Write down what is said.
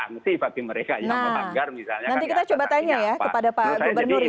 kepada pak gubernur ya